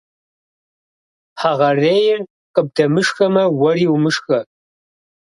Хэгъэрейр къыбдэмышхэмэ, уэри умышхэ.